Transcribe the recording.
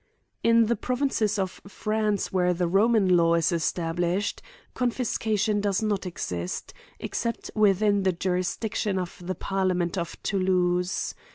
In the provinces of France where the Roman F f 226 A COMMENTARY ON law is establ^ ihed, confiscation does not exist, ex. cept within the jurisdiction of the parliament of Thoulouse.